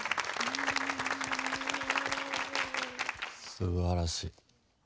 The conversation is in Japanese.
すばらしい。